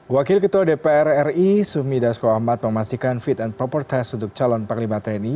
wakil ketua dpr ri sumi dasko ahmad memastikan fit and proper test untuk calon panglima tni